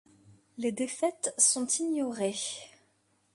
Les défaites sont ignorées.